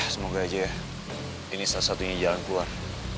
semoga aja ini salah satunya jalan keluar